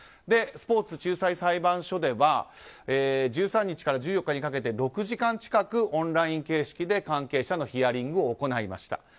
スポーツ仲裁裁判所では１３日から１４日にかけて６時間近くオンライン形式で関係者のヒアリングを行いました。